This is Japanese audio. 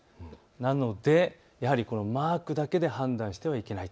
なのでマークだけで判断してはいけない。